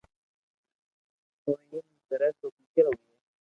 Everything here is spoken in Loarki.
تو ايم ڪري تو ڪيڪر ھوئي